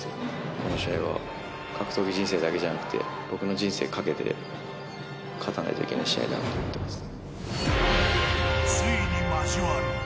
この試合は格闘技人生だけじゃなくて僕の人生をかけて勝たないといけない試合だなとついに交わる。